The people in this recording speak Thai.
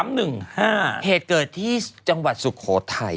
เหตุเกิดที่จังหวัดสุโขทัย